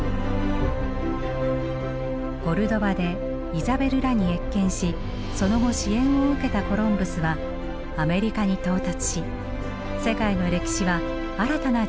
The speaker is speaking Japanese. コルドバでイザベルらに謁見しその後支援を受けたコロンブスはアメリカに到達し世界の歴史は新たな時代を迎えていくことになります。